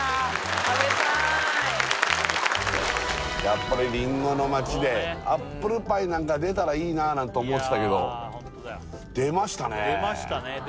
やっぱりりんごの町でアップルパイなんか出たらいいななんて思ってたけど出ましたね